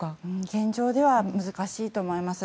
現状では難しいと思います。